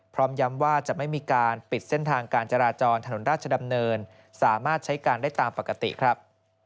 พร้อมย้ำว่าจะไม่มีการปิดเส้นทางการจราจรถนนราชดำเนินสามารถใช้การได้ตามปกติครับ